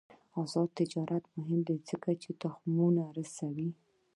آزاد تجارت مهم دی ځکه چې تخمونه رسوي.